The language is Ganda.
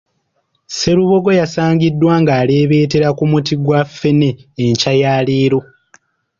Sserubogo yasangiddwa ng'aleebetera ku muti gwa ffene enkya ya leero.